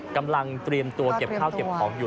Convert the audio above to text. กำลังเตรียมตัวเก็บข้าวเก็บของอยู่